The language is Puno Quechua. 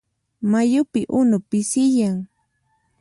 Mayupi unu pisiyan.